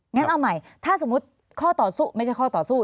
งั้นเอาใหม่ถ้าสมมุติข้อต่อสู้ไม่ใช่ข้อต่อสู้